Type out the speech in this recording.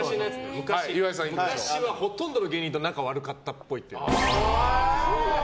昔はほとんどの芸人と仲悪かったっぽい。